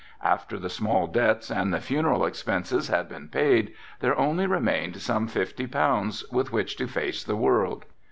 After the small debts and the funeral expenses had been paid there only remained some fifty pounds with which to face the world.